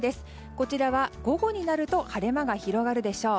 こちらは午後になると晴れ間が広がるでしょう。